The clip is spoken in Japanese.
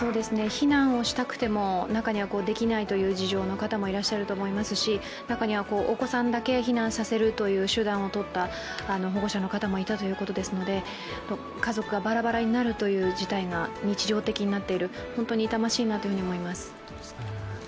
避難をしたくても、中にはできないという事情がある方もいらっしゃると思いますし中にはお子さんだけ避難させるという手段をとった保護者の方もいたということですので、家族がバラバラになるという事態が日常的になっている、本当に痛ましいなと思います。